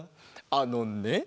あのね